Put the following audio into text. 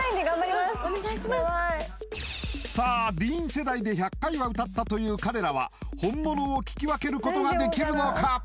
ＤＥＥＮ世代で１００回は歌ったという彼らは本物を聴き分けることができるのか？